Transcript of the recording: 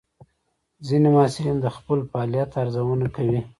ځینې محصلین د خپل فعالیت ارزونه کوي.